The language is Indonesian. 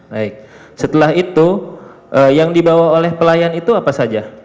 baik setelah itu yang dibawa oleh pelayan itu apa saja